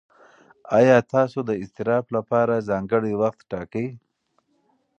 ایا تاسو د اضطراب لپاره ځانګړی وخت ټاکئ؟